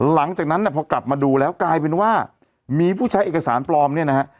หลังจากนั้นพอกลับมาดูแล้วกลายเป็นว่ามีผู้ใช้เอกสารปลอมเนี่ยนะฮะ